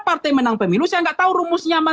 partai menang pemilu saya nggak tahu rumusnya